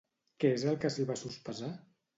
Què és el que sí va sospesar?